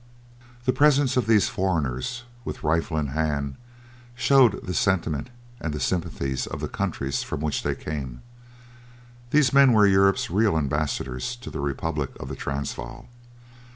The presence of these foreigners, with rifle in hand, showed the sentiment and sympathies of the countries from which they came. These men were Europe's real ambassadors to the Republic of the Transvaal.